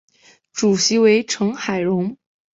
主席为成海荣。